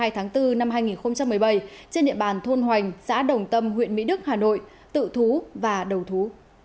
hai mươi tháng bốn năm hai nghìn một mươi bảy trên địa bàn thôn hoành xã đồng tâm huyện mỹ đức hà nội tự thú và đầu thú